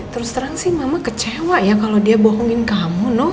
terus terang sih mama kecewa ya kalau dia bohongin kamu